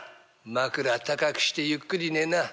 枕高くしてゆっくり寝な。